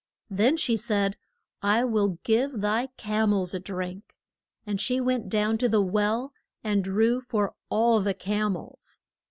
Then she said, I will give thy cam els a drink; and she went down to the well and drew for all the cam els.